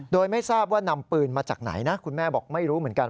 โดยไม่ทราบว่านำปืนมาจากไหนนะคุณแม่บอกไม่รู้เหมือนกัน